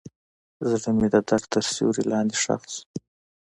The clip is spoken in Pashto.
زړه مې د درد تر سیوري لاندې ښخ شو.